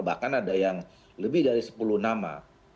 bahkan ada yang lebih dari sepuluh nama